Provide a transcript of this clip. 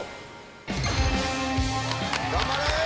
頑張れ！